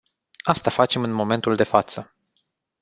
Asta facem în momentul de față.